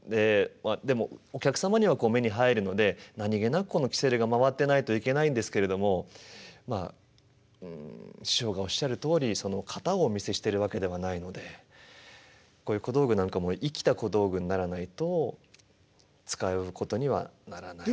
でもお客様には目に入るので何気なくこのきせるが回ってないといけないんですけれどもまあうん師匠がおっしゃるとおり型をお見せしてるわけではないのでこういう小道具なんかも生きた小道具にならないと使うことにはならない。